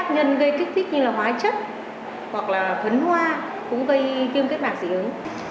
nhân gây kích thích như là hóa chất hoặc là phấn hoa cũng gây viêm kết mạc dị ứng